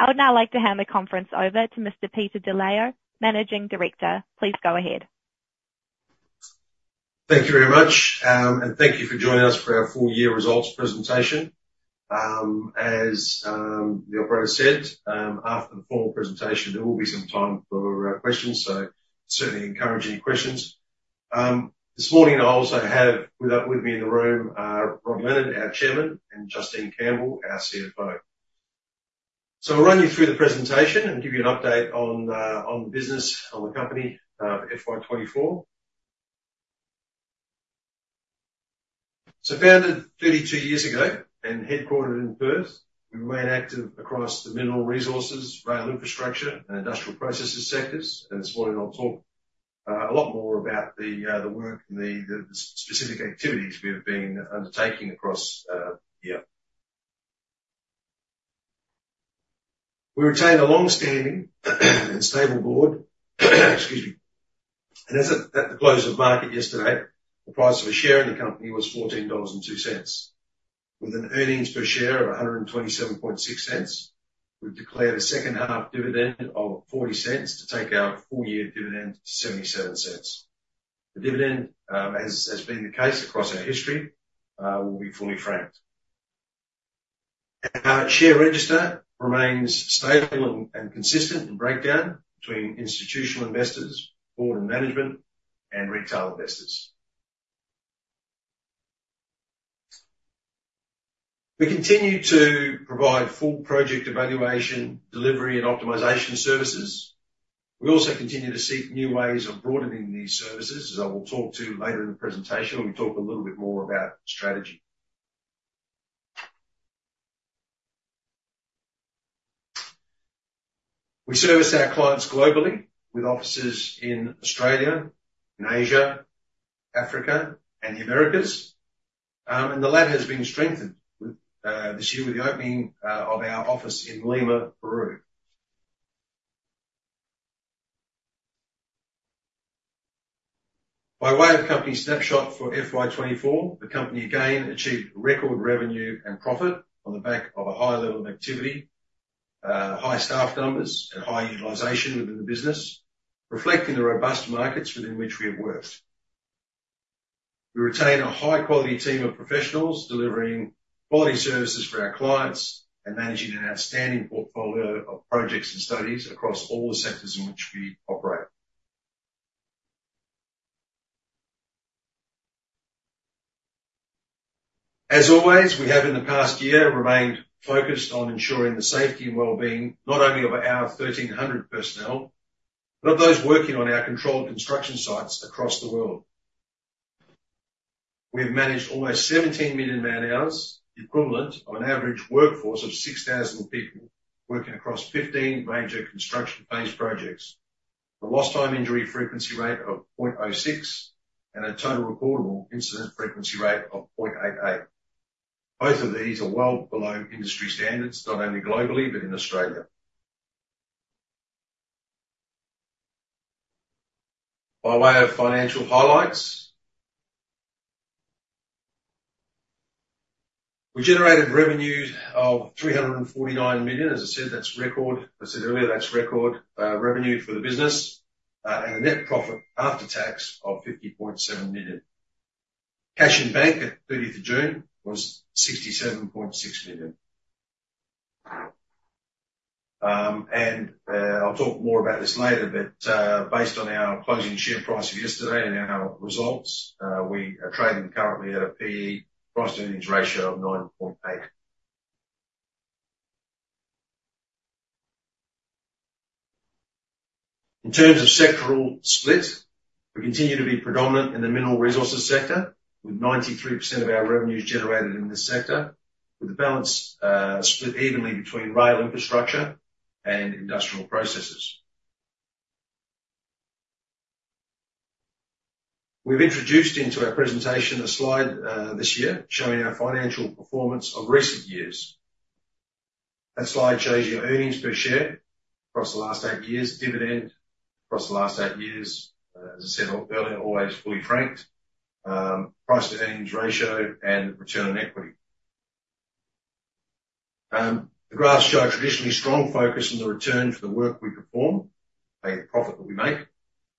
I would now like to hand the conference over to Mr. Peter De Leo, Managing Director. Please go ahead. Thank you very much, and thank you for joining us for our full year results presentation. As the operator said, after the formal presentation, there will be some time for questions, so certainly encourage any questions. This morning I also have with me in the room Rod Leonard, our Chairman, and Justine Campbell, our CFO, so I'll run you through the presentation and give you an update on the business, on the company, FY 2024 so founded 32 years ago and headquartered in Perth, we remain active across the mineral resources, rail infrastructure, and industrial processes sectors, and this morning I'll talk a lot more about the work and the specific activities we have been undertaking across the year. We retain a long-standing and stable board. Excuse me. As at the close of market yesterday, the price of a share in the company was 14.02 dollars. With an earnings per share of 1.276, we have declared a second half dividend of 0.40 to take our full year dividend to 0.77. The dividend, as has been the case across our history, will be fully franked. Our share register remains stable and consistent in breakdown between institutional investors, board and management, and retail investors. We continue to provide full project evaluation, delivery, and optimization services. We also continue to seek new ways of broadening these services, as I will talk to you later in the presentation, when we talk a little bit more about strategy. We service our clients globally with offices in Australia, in Asia, Africa, and the Americas. The latter has been strengthened with this year with the opening of our office in Lima, Peru. By way of company snapshot for FY 2024, the company again achieved record revenue and profit on the back of a high level of activity, high staff numbers, and high utilization within the business, reflecting the robust markets within which we have worked. We retain a high quality team of professionals, delivering quality services for our clients and managing an outstanding portfolio of projects and studies across all the sectors in which we operate. As always, we have in the past year remained focused on ensuring the safety and wellbeing, not only of our 1,300 personnel, but of those working on our controlled construction sites across the world. We've managed almost 17 million man hours, equivalent to an average workforce of 6,000 people working across 15 major construction phase projects. A Lost Time Injury Frequency Rate of 0.06, and a Total Recordable Incident Frequency Rate of 0.88. Both of these are well below industry standards, not only globally, but in Australia. By way of financial highlights. We generated revenues of 349 million. As I said earlier, that's record revenue for the business, and a net profit after tax of 50.7 million. Cash in bank at thirtieth of June was 67.6 million. I'll talk more about this later, but based on our closing share price of yesterday and our results, we are trading currently at a P/E price-to-earnings ratio of 9.8. In terms of sectoral split, we continue to be predominant in the mineral resources sector, with 93% of our revenues generated in this sector, with the balance, split evenly between rail infrastructure and industrial processes. We've introduced into our presentation a slide, this year, showing our financial performance of recent years. That slide shows your earnings per share across the last eight years, dividend across the last eight years, as I said earlier, always fully franked, price-to-earnings ratio, and return on equity. The graphs show a traditionally strong focus on the return for the work we perform, i.e., the profit that we make,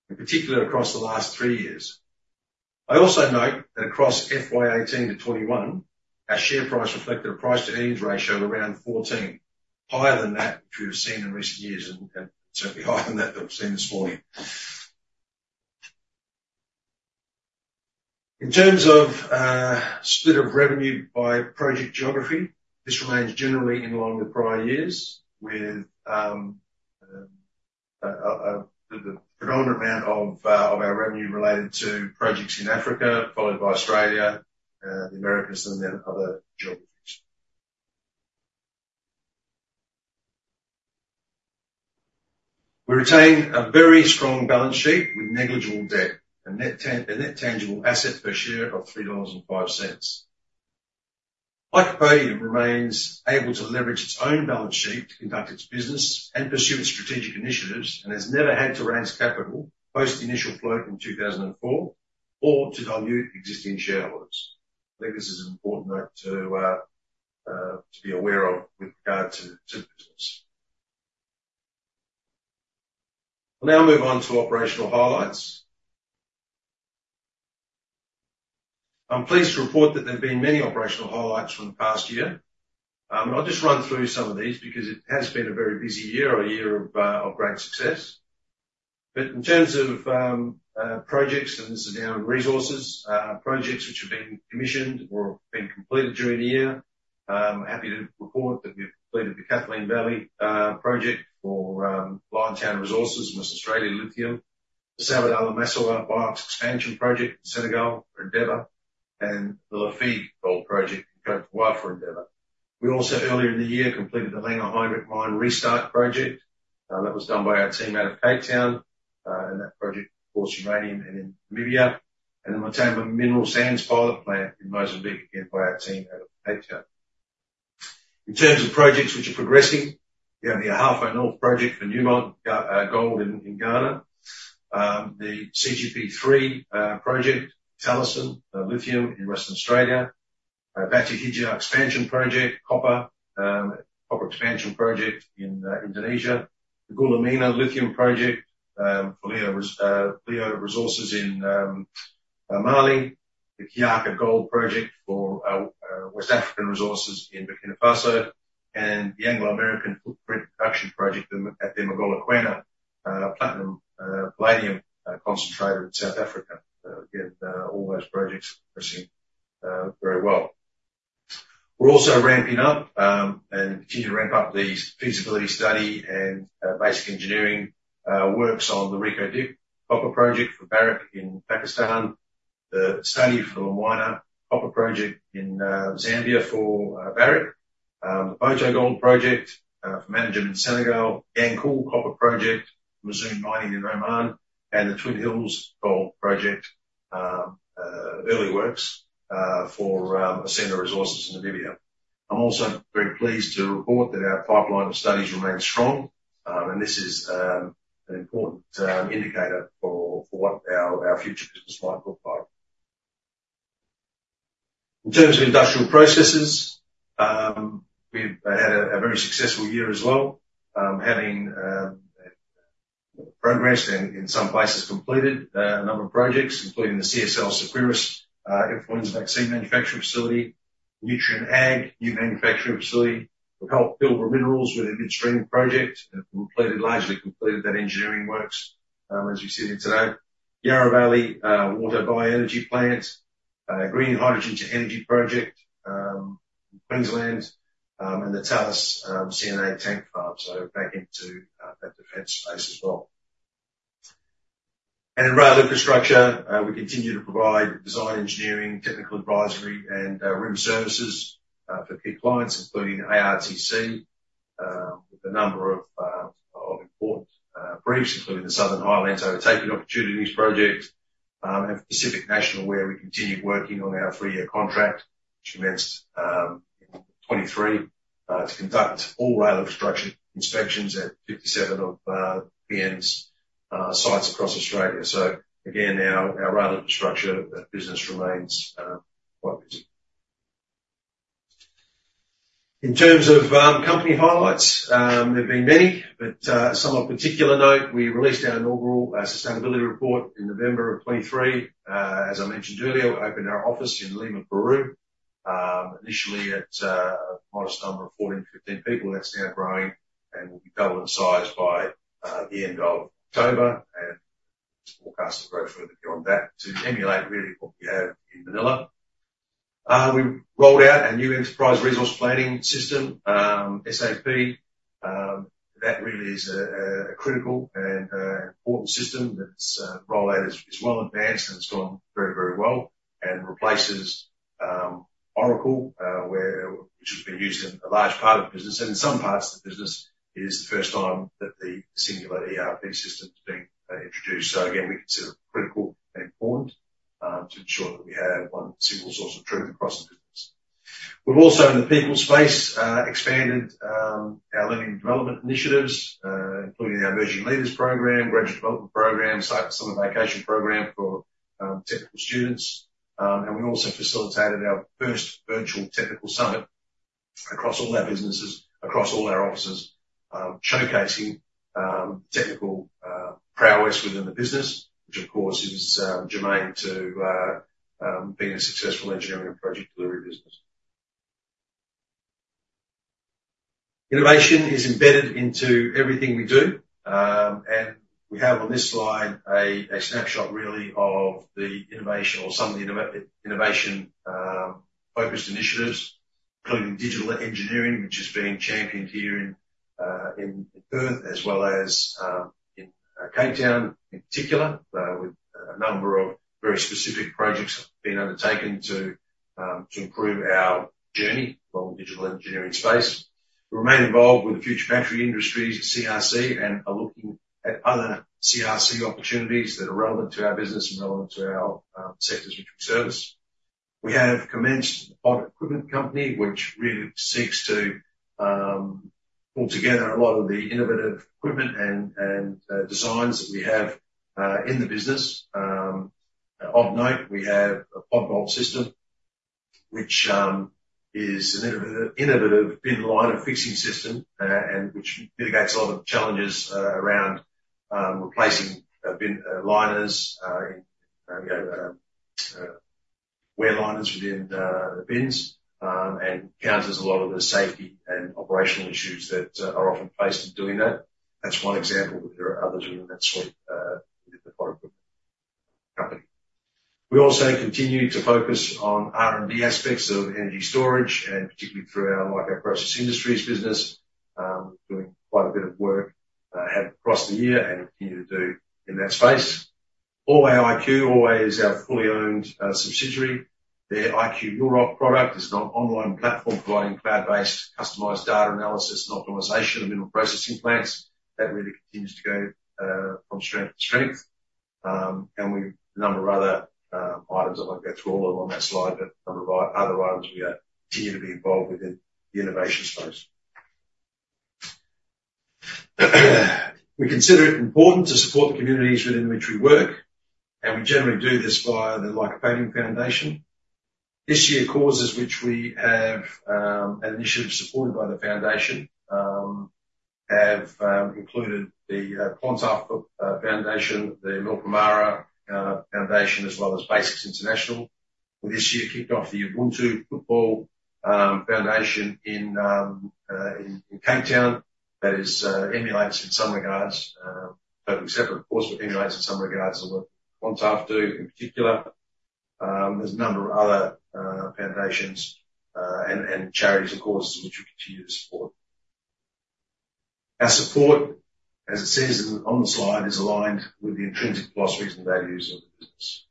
in particular across the last three years. I also note that across FY 2018-FY 2021 our share price reflected a price-to-earnings ratio of around fourteen, higher than that which we have seen in recent years, and certainly higher than that we've seen this morning. In terms of split of revenue by project geography, this remains generally in line with prior years, with the predominant amount of our revenue related to projects in Africa, followed by Australia, the Americas, and then other geographies. We retain a very strong balance sheet with negligible debt, a net tangible asset per share of 3.05 dollars. Lycopodium remains able to leverage its own balance sheet to conduct its business and pursue its strategic initiatives, and has never had to raise capital post initial float in 2004, or to dilute existing shareholders.... I think this is an important note to be aware of with regard to business. We'll now move on to operational highlights. I'm pleased to report that there have been many operational highlights from the past year, and I'll just run through some of these because it has been a very busy year, a year of great success, but in terms of projects, and this is now in resources, projects which have been commissioned or been completed during the year. I'm happy to report that we've completed the Kathleen Valley project for Liontown Resources, West Australian Lithium. The Sabodala-Massawa Gold Expansion Project in Senegal for Endeavour, and the Lafigué Gold Project in Côte d'Ivoire for Endeavour. We also, earlier in the year, completed the Langer Heinrich Mine Restart Project. That was done by our team out of Cape Town, and that project, of course, uranium and in Namibia, and the Matamba Mineral Sands Pilot Plant in Mozambique, again, by our team out of Cape Town. In terms of projects which are progressing, we have the Ahafo North Project for Newmont, gold in Ghana, the CGP3 project, Talison Lithium in Western Australia. Batu Hijau Expansion Project, copper expansion project in Indonesia. The Goulamina Lithium Project for Leo Lithium in Mali. The Kiaka Gold Project for West African Resources in Burkina Faso, and the Anglo American Footprint Production Project at the Mogalakwena platinum palladium concentrator in South Africa. Again, all those projects are progressing very well. We're also ramping up, and continue to ramp up the feasibility study and basic engineering works on the Reko Diq Copper Project for Barrick in Pakistan, the study for the Lumwana Copper Project in Zambia for Barrick, the Boto Gold Project for Managem Senegal, Yanqul Copper Project, Mazoon Mining in Oman, and the Twin Hills Gold Project early works for Osino Resources in Namibia. I'm also very pleased to report that our pipeline of studies remains strong, and this is an important indicator for what our future business might look like. In terms of industrial processes, we've had a very successful year as well, having progressed and in some places completed a number of projects, including the CSL Seqirus influenza vaccine manufacturing facility, Nutrien Ag new manufacturing facility. We've helped Pilbara Minerals with their mid-stream project and have largely completed that engineering works as we sit here today. Yarra Valley Water Bioenergy Plant, Green Hydrogen to Energy Project in Queensland, and the Thales ONA Tank Farm, so back into that defense space as well. In rail infrastructure, we continue to provide design, engineering, technical advisory, and RIM services for key clients, including ARTC, with a number of important briefs, including the Southern Highlands Overtaking Opportunities project, and Pacific National, where we continued working on our three-year contract, which commenced in 2023 to conduct all rail infrastructure inspections at 57 of PN's sites across Australia. Again, our rail infrastructure business remains quite busy. In terms of company highlights, there have been many, but some of particular note, we released our inaugural sustainability report in November of 2023. As I mentioned earlier, we opened our office in Lima, Peru, initially at a modest number of 14, 15 people. That's now growing and will be double in size by the end of October, and there's forecasts of growth further beyond that to emulate really what we have in Manila. We rolled out our new enterprise resource planning system, SAP. That really is a critical and important system that's roll out is well advanced, and it's going very, very well and replaces Oracle, which has been used in a large part of the business, and in some parts of the business, it is the first time that the singular ERP system is being introduced. Again, we consider it critical and important to ensure that we have one single source of truth across the business. We've also, in the people space, expanded our learning and development initiatives, including our Emerging Leaders program, Graduate Development program, site-Summer Vacation program for technical students. We also facilitated our first virtual technical summit across all our businesses, across all our offices, showcasing technical prowess within the business, which, of course, is germane to being a successful engineering and project delivery business. Innovation is embedded into everything we do, and we have on this slide a snapshot really of the innovation or some of the innovation focused initiatives, including digital engineering, which is being championed here in Perth, as well as in Cape Town in particular, with a number of very specific projects being undertaken to improve our journey from a digital engineering space. We remain involved with the Future Battery Industries CRC and are looking at other CRC opportunities that are relevant to our business and relevant to our sectors which we service. We have commenced the Bolt Equipment Company, which really seeks to altogether a lot of the innovative equipment and designs that we have in the business. Of note, we have a PodVault system, which is an innovative bin liner fixing system, and which mitigates a lot of the challenges around replacing bin liners, you know, wear liners within the bins, and counters a lot of the safety and operational issues that are often faced in doing that. That's one example, but there are others within that sort of product company. We also continue to focus on R&D aspects of energy storage, and particularly through our latter process industries business. Doing quite a bit of work have across the year and continue to do in that space. Orway IQ, Orway is our fully owned subsidiary. Their MillROC product is an online platform providing cloud-based, customized data analysis and optimization of mineral processing plants. That really continues to go from strength to strength. And we've a number of other items. I won't go through all of them on that slide, but a number of other items we are continuing to be involved with in the innovation space. We consider it important to support the communities within which we work, and we generally do this via the Lycopodium Foundation. This year, causes which we have, and initiatives supported by the foundation, have included the Clontarf Foundation, the Milkumara Foundation, as well as BASICS International. This year kicked off the Ubuntu Football Academy in Cape Town. That is emulates in some regards, totally separate, of course, but emulates in some regards of what Clontarf do in particular. There's a number of other foundations and charities, of course, which we continue to support. Our support, as it says on the slide, is aligned with the intrinsic philosophies and values of the business.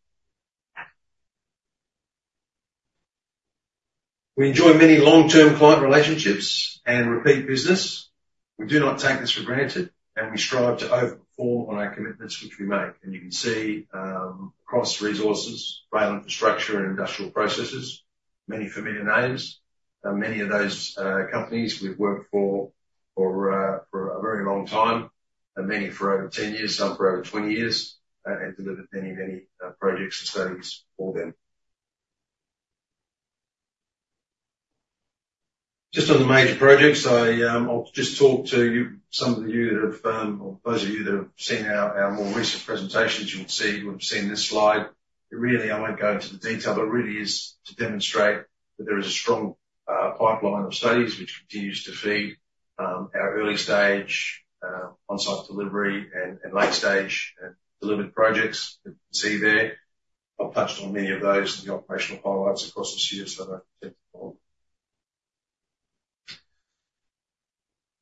We enjoy many long-term client relationships and repeat business. We do not take this for granted, and we strive to overperform on our commitments which we make. You can see across resources, rail, infrastructure, and industrial processes, many familiar names. Many of those companies we've worked for for a very long time, and many for over 10 years, some for over 20 years, and delivered many, many projects and studies for them. Just on the major projects, I'll just talk to you, some of you that have or those of you that have seen our more recent presentations, you'll see, would have seen this slide. Really, I won't go into the detail, but it really is to demonstrate that there is a strong pipeline of studies which continues to feed our early stage on-site delivery and late stage delivered projects that you can see there. I've touched on many of those in the operational highlights across the series, so I don't need to go on.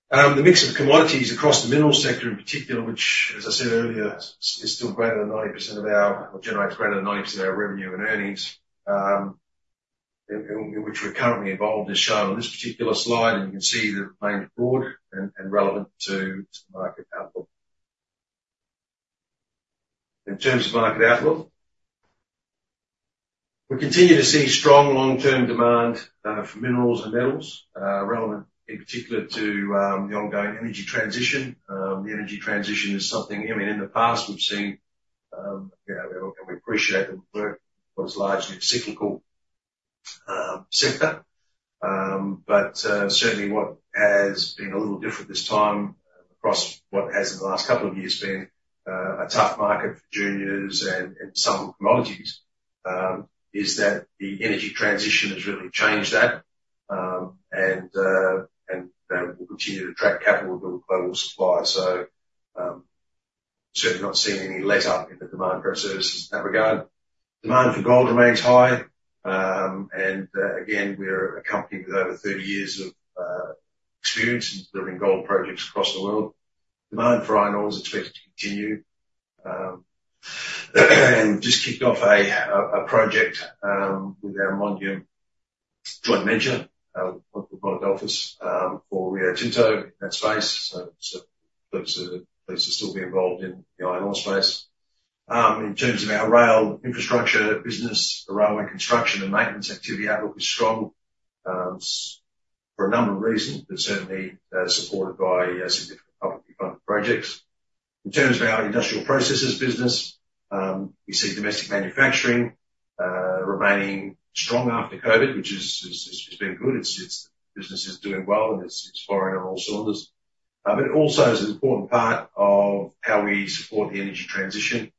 The mix of commodities across the mineral sector in particular, which as I said earlier, generates greater than 90% of our revenue and earnings, in which we're currently involved, is shown on this particular slide. You can see they remain broad and relevant to the market outlook. In terms of market outlook, we continue to see strong long-term demand for minerals and metals, relevant in particular to the ongoing energy transition. The energy transition is something, I mean, in the past, we've seen, you know, and we appreciate the work what is largely a cyclical sector. Certainly what has been a little different this time across what has in the last couple of years been a tough market for juniors and some commodities is that the energy transition has really changed that, and that will continue to attract capital to global supply. Certainly not seeing any letup in the demand for our services in that regard. Demand for gold remains high. again, we're a company with over thirty years of experience in delivering gold projects across the world. Demand for iron ore is expected to continue. Just kicked off a project with our Mondium joint venture project office for Rio Tinto, that space, so pleased to still be involved in the iron ore space. In terms of our rail infrastructure business, the railway construction and maintenance activity outlook is strong for a number of reasons, but certainly supported by some different publicly funded projects. In terms of our industrial processes business, we see domestic manufacturing remaining strong after COVID, which has been good. Its business is doing well, and it's firing on all cylinders. It also is an important part of how we support the energy transition,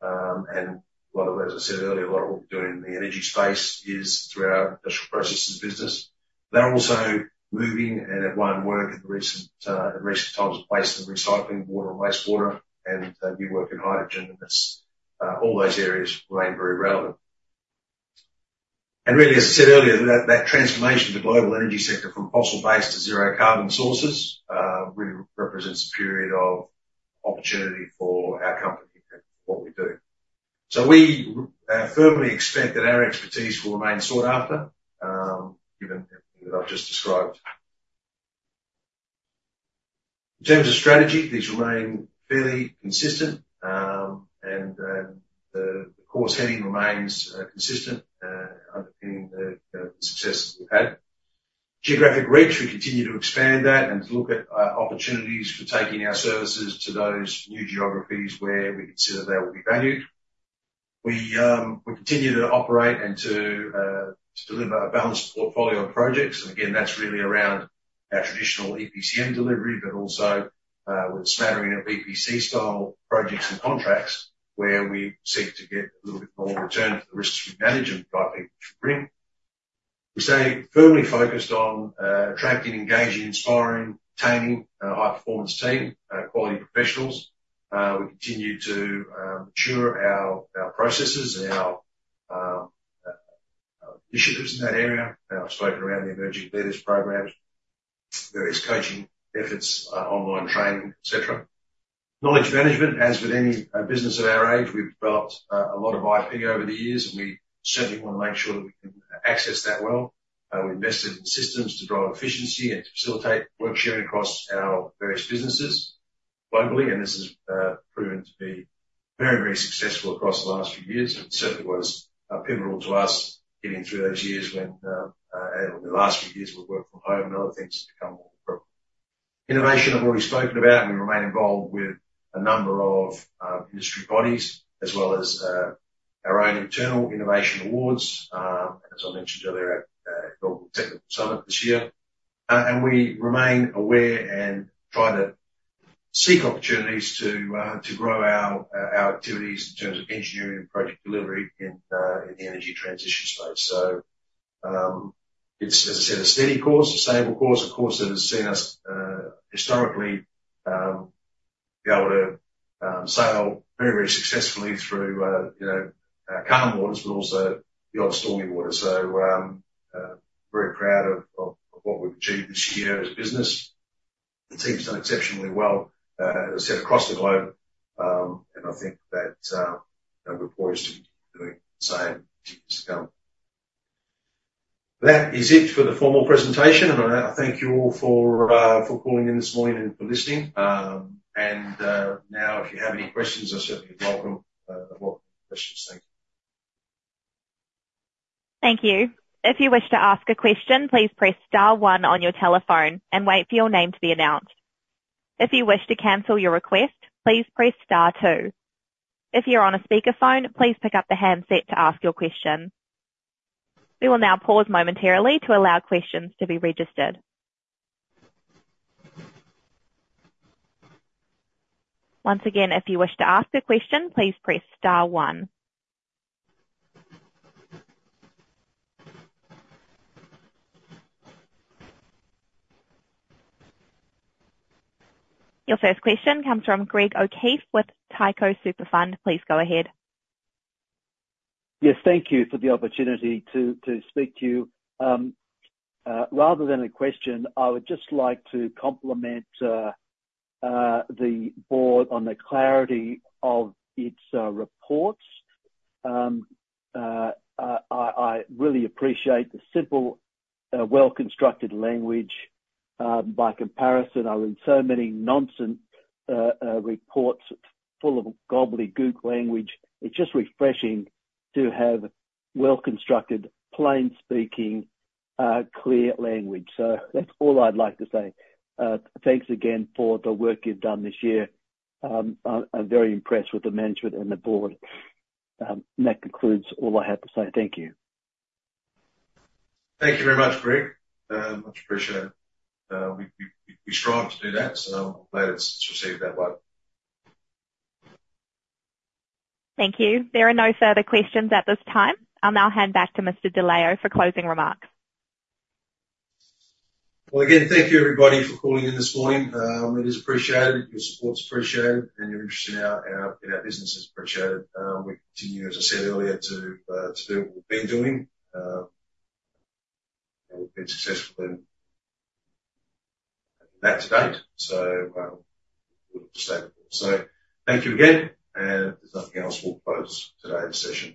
and a lot of, as I said earlier, a lot of work we do in the energy space is through our industrial processes business. They're also moving and have won work in recent times in waste and recycling, water and wastewater, and new work in hydrogen, and all those areas remain very relevant. Really, as I said earlier, that transformation of the global energy sector from fossil-based to zero carbon sources really represents a period of opportunity for our company and what we do. We firmly expect that our expertise will remain sought after, given everything that I've just described. In terms of strategy, these remain fairly consistent, and the course heading remains consistent, underpinning the successes we've had. Geographic reach, we continue to expand that and to look at opportunities for taking our services to those new geographies where we consider they will be valued. We continue to operate and to deliver a balanced portfolio of projects. Again, that's really around our traditional EPCM delivery, but also with a smattering of EPC style projects and contracts, where we seek to get a little bit more return for the risks we manage and rightly should bring. We stay firmly focused on attracting, engaging, inspiring, retaining high performance team quality professionals. We continue to mature our processes and our initiatives in that area. I've spoken around the emerging leaders programs, various coaching efforts, online training, et cetera. Knowledge management. As with any business of our age, we've developed a lot of IP over the years, and we certainly want to make sure that we can access that well. We invested in systems to drive efficiency and to facilitate work sharing across our various businesses globally, and this has proven to be very, very successful across the last few years, and it certainly was pivotal to us getting through those years when, over the last few years, with work from home and other things have become more appropriate. Innovation, I've already spoken about, and we remain involved with a number of industry bodies as well as our own internal innovation awards, as I mentioned earlier at Global Technical Summit this year, and we remain aware and try to seek opportunities to grow our activities in terms of engineering and project delivery in the energy transition space. As I said, it's a steady course, a stable course, a course that has seen us historically be able to sail very, very successfully through, you know, calm waters, but also the odd stormy waters. Very proud of what we've achieved this year as a business. The team's done exceptionally well, as I said, across the globe and I think that we're poised to do the same years to come. That is it for the formal presentation, and I thank you all for calling in this morning and for listening. Now, if you have any questions, they're certainly welcome. I welcome questions. Thank you. Thank you. If you wish to ask a question, please press star one on your telephone and wait for your name to be announced. If you wish to cancel your request, please press star two. If you're on a speakerphone, please pick up the handset to ask your question. We will now pause momentarily to allow questions to be registered. Once again, if you wish to ask a question, please press star one. Your first question comes from Greg O'Keefe with Tyco Superfund. Please go ahead. Yes, thank you for the opportunity to speak to you. Rather than a question, I would just like to compliment the board on the clarity of its reports. I really appreciate the simple well-constructed language. By comparison, I read so many nonsense reports full of gobbledygook language. It's just refreshing to have well-constructed, plain speaking clear language. That's all I'd like to say. Thanks again for the work you've done this year. I'm very impressed with the management and the board, and that concludes all I have to say. Thank you. Thank you very much, Greg. Much appreciated. We strive to do that, so I'm glad it's received that well. Thank you. There are no further questions at this time. I'll now hand back to Mr. De Leo for closing remarks. Again, thank you, everybody, for calling in this morning. It is appreciated. Your support is appreciated, and your interest in our business is appreciated. We continue, as I said earlier, to do what we've been doing, and we've been successful in that to date, so we'll look to stay the course. Thank you again, and if there's nothing else, we'll close today's session.